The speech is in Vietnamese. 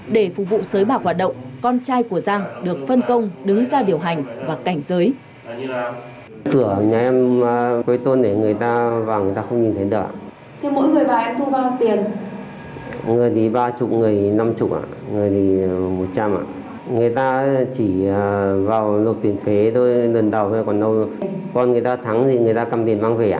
để phục vụ sới bạc hoạt động con trai của giang được phân công đứng ra điều hành và cảnh giới